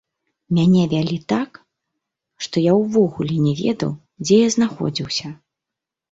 Мяне вялі так, што я ўвогуле не ведаў, дзе я знаходзіўся.